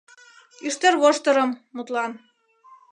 «Ӱштервоштырым, мутлан